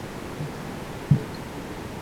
কেউ দিল অর্থ, কেউ দিল অন্য কোন দ্রব্য-সামগ্রী।